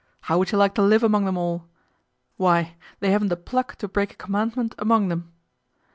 How would you like to live among them all ? Why they haven't the pluck to break a commandment among them."